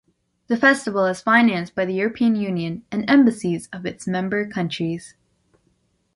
The festival is financed by the European Union and embassies of its member countries.